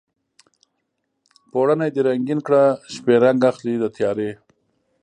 پوړونی دې رنګین کړه شپې رنګ اخلي د تیارې